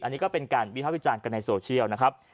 อันนี้ก็เป็นการวิภาควิจารณ์กันในโซเชียลนะครับ